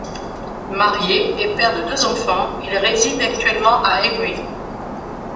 Marié et père de deux enfants, il réside actuellement à Avry.